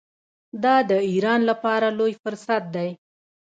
دا د ایران لپاره لوی فرصت دی.